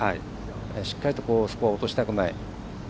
しっかりとスコアを落としたくない。